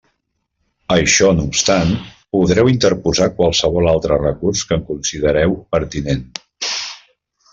Això no obstant, podreu interposar qualsevol altre recurs que considereu pertinent.